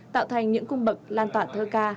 tạo thành những cung bậc lan toàn thơ ca